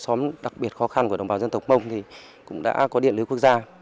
xóm đặc biệt khó khăn của đồng bào dân tộc mông thì cũng đã có điện lưới quốc gia